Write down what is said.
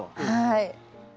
はい。